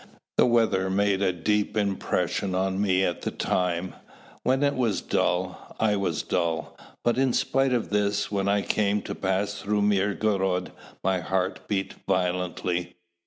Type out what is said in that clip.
The weather made a deep impression on me at the time: when it was dull, I was dull; but in spite of this, when I came to pass through Mirgorod, my heart beat violently.